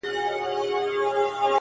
جانانه ولاړې اسماني سوې؛